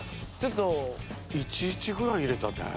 １：１ぐらい入れたね。